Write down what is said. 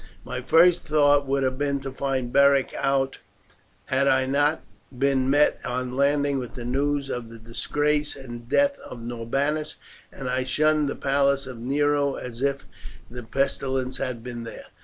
My first thought would have been to find Beric out had I not been met on landing with the news of the disgrace and death of Norbanus, and I shunned the palace of Nero as if the pestilence had been there.